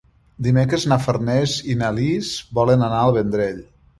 Dimecres na Farners i na Lis volen anar al Vendrell.